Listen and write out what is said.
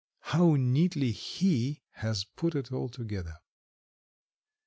How neatly he has put it all together.